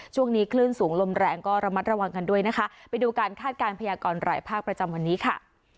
ช่วงนี้คลื่นสูงลมแรงก็ระมัดระวังกันด้วยนะคะไปดูการคาดการณ์พยากรหลายภาคประจำวันนี้ค่ะ